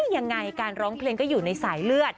ยังไงการร้องเพลงก็อยู่ในสายเลือด